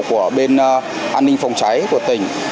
của bên an ninh phòng cháy của tỉnh